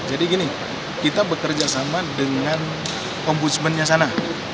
jadi gini kita bekerja sama dengan ombudsman nya sana